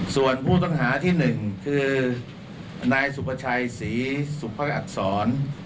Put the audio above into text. ส่วนผู้ต้องหาที่๑คือนายสุภาชัยศรีสุภักษร